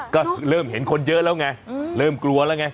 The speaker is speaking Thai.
ก็เริ่มเห็นคนเยอะแล้วไงเริ่มกลัวแล้วไง